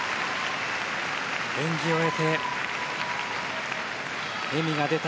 演技を終えて笑みが出た。